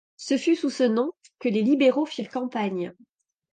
Ce fut sous ce nom que les libéraux firent campagne.